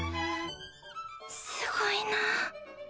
すごいなぁ。